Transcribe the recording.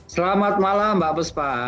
selamat malam mbak buspa